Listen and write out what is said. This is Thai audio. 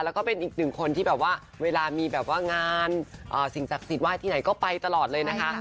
แล้วก็เป็นอีกหนึ่งคนที่เวลามีงานสิ่งศักดิ์ศีลว่าให้ที่ไหนก็ไปตลอดเลยนะคะ